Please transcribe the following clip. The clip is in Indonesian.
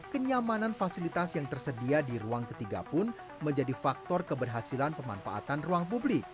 kenyamanan fasilitas yang tersedia di ruang ketiga pun menjadi faktor keberhasilan pemanfaatan ruang publik